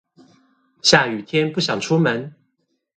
下雨天不想出門？